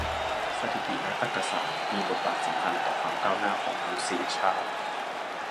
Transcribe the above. สถิติและตรรกะศาสตร์ มีบทบาทสำคัญต่อ ความก้าวหน้าของมนุษยชาติ